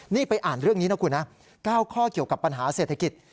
นี่ไปอ่านเรื่องนี้นะคุณนะ๙ข้อเกี่ยวกับปัญหาเศรษฐกิจ